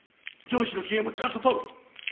上司の機嫌もちゃんと取る。